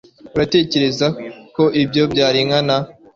Uratekereza ko ibyo byari nkana